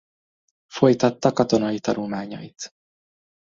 Folytatta katonai tanulmányait.